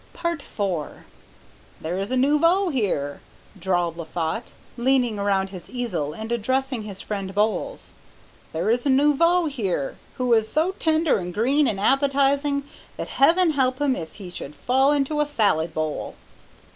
IV "There is a nouveau here," drawled Laffat, leaning around his easel and addressing his friend Bowles, "there is a nouveau here who is so tender and green and appetizing that Heaven help him if he should fall into a salad bowl."